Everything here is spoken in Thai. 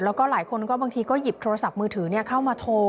แล้วก็หลายคนก็บางทีก็หยิบโทรศัพท์มือถือเข้ามาโทร